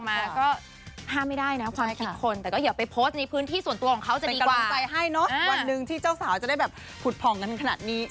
มันงานแต่งงานเขามันก็เรื่องของเขาเออสวยมีความสุข